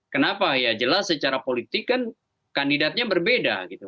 kenapa ya jelas secara politik kan kandidatnya berbeda gitu